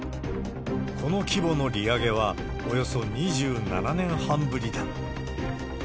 この規模の利上げはおよそ２７年半ぶりだ。